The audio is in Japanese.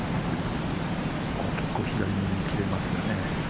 結構、左に切れますよね。